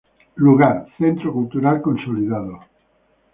Lugar: Centro Cultural Consolidado.